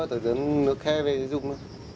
tự dẫn nước khe về dùng